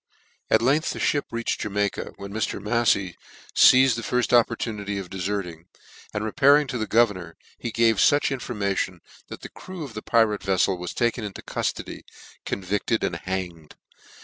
At length the fnip reached Jamaica, when Mr. Mafley feized the firft opportunity of deferting; and repairing to the governor, he gavefuch infor ^mation, that the crew of the pirate veflel was taken into cuftody, convicted and hanged.